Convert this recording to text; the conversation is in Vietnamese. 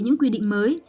những quy định mới